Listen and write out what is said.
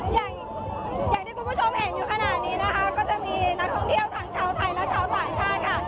อย่างที่คุณผู้ชมเห็นอยู่ขนาดนี้นะคะก็จะมีนักท่องเที่ยวทั้งชาวไทยและชาวต่างชาติค่ะ